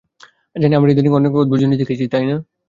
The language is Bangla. জানি আমরা ইদানিং অনেক অদ্ভুত জিনিস দেখেছি, তাই না?